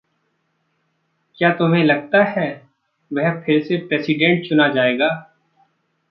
क्या तुम्हे लगता है वह फिरसे प्रेसीडेंट चुना जाएगा?